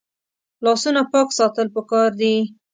لاسونه پاک ساتل پکار دي